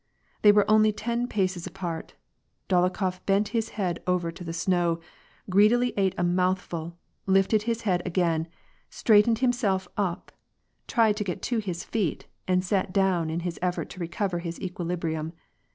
They were only ten paces apart. Dolokhof bent his head over to the snow, greedily ate a mouthful, lifted his head again, straightened himself up, tried to get to his feet, and sat down, in his effort to recover his equilibrium.